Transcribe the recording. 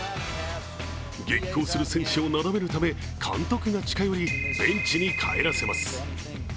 激高する選手をなだめるため監督が近寄りベンチに帰らせます。